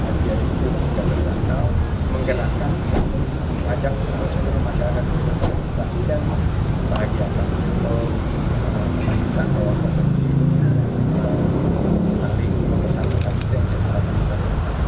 selain itu sandi juga berharap kepada warga muhammadiyah yang mempunyai masa yang besar untuk lebih berperan aktif hingga ke kancah internasional